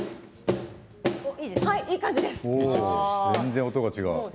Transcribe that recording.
全然、音が違う。